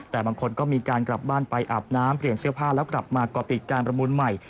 แต่บางคนก็มีการกลับบ้านไปอาบน้ำเปลี่ยนเสื้อผ้าแล้วกลับมาก่อติดการประมูลใหม่